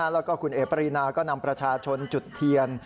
แล้วก็คุณเอ๋ปรีนาก็นำประชาชนจุดเทียน